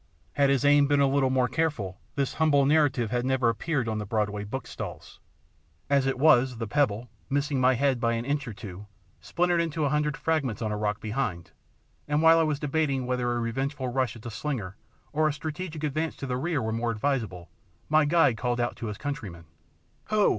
Had his aim been a little more careful this humble narrative had never appeared on the Broadway bookstalls. As it was, the pebble, missing my head by an inch or two, splintered into a hundred fragments on a rock behind, and while I was debating whether a revengeful rush at the slinger or a strategic advance to the rear were more advisable, my guide called out to his countryman "Ho!